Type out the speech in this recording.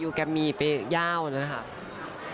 อยู่แกมมี่ประเภทหนึ่งหนึ่งตัวเองนะค่ะ